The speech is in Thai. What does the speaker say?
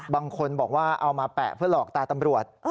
บางคนบอกว่าเอามาแปะเพื่อหลอกตาตำรวจ